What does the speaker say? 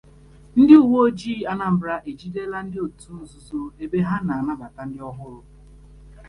Ndị Uweojii Anambra Ejidela Ndị Otu Nzuzo Ebe Ha Na-Anabata Ndị Ọhụrụ